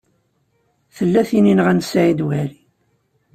Tella tin i yenɣan Saɛid Waɛli.